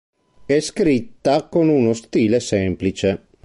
È scritta con uno stile semplice.